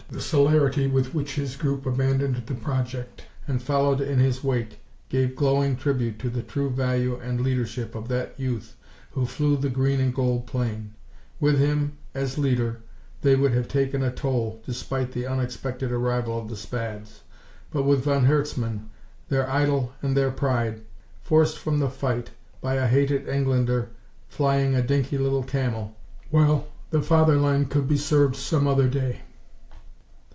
The celerity with which his group abandoned the project and followed in his wake gave glowing tribute to the true value and leadership of that youth who flew the green and gold plane. With him as leader, they would have taken a toll, despite the unexpected arrival of the Spads. But with von Herzmann, their idol and their pride, forced from the fight by a hated Englander flying a dinky little Camel well, the Fatherland could be served some other day.